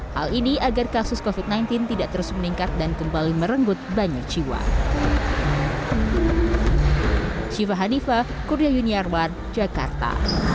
hal ini agar kasus covid sembilan belas tidak terus meningkat dan kembali merenggut banyak jiwa